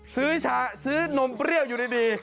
ซื้อนมเปรี้ยวอยู่ดี